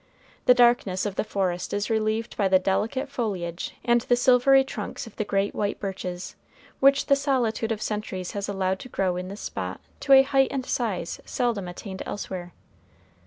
The darkness of the forest is relieved by the delicate foliage and the silvery trunks of the great white birches, which the solitude of centuries has allowed to grow in this spot to a height and size seldom attained elsewhere.